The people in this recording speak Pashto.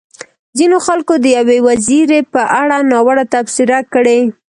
ځينو خلکو د يوې وزيرې په اړه ناوړه تبصرې کړې.